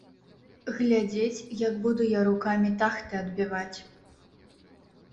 Глядзець, як буду я рукамі тахты адбіваць.